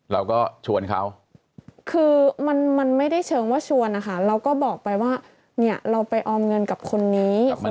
เราก็ชวนเขาคือมันไม่ได้เชิงว่าชวนนะคะเราก็บอกไปว่าเนี่ยเราไปออมเงินกับคนนี้